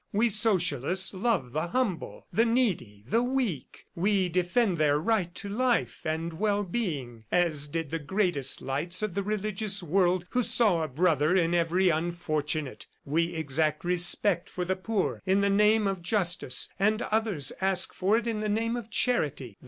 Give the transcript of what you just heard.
We Socialists love the humble, the needy, the weak. We defend their right to life and well being, as did the greatest lights of the religious world who saw a brother in every unfortunate. We exact respect for the poor in the name of justice; the others ask for it in the name of charity.